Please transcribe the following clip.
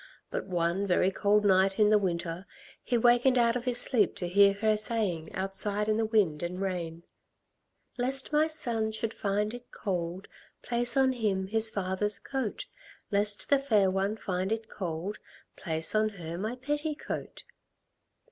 But one very cold night in the winter, he wakened out of his sleep to hear her saying outside in the wind and rain: "Lest my son should find it cold, Place on him his father's coat. Lest the fair one find it cold, Place on her my petticoat."